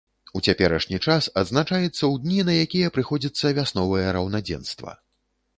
У цяперашні час адзначаецца ў дні, на якія прыходзіцца вясновае раўнадзенства.